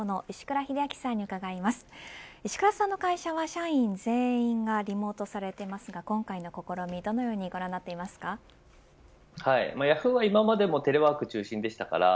石倉さんの会社は社員全員がリモートされていますが今回の試みどうご覧になっていますか。